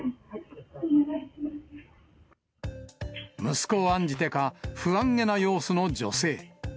息子を案じてか、不安げな様子の女性。